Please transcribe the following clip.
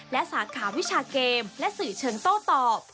และสาขาวิชาเกมและสื่อเชิงโต้ตอบ